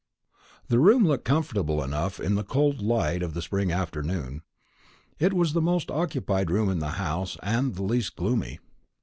The room looked comfortable enough in the cold light of the spring afternoon. It was the most occupied room in the house, and the least gloomy.